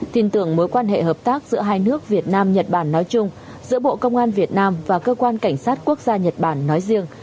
tin tưởng mối quan hệ hợp tác giữa hai nước việt nam nhật bản nói chung giữa bộ công an việt nam và cơ quan cảnh sát quốc gia nhật bản nói riêng